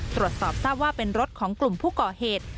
ตรวจสอบทราบว่าเป็นรถของกลุ่มผู้ก่อเหตุ